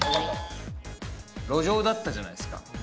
路上だったじゃないですか。